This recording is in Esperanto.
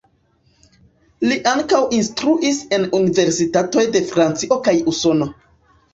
Li ankaŭ instruis en universitatoj de Francio kaj Usono.